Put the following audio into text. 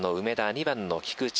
２番の菊池。